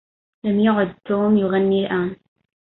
لم يعد توم يغنّي الآن.